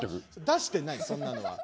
出してないそんなのは。